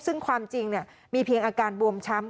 ซึ่งความจริงมีเพียงอาการบวมช้ำ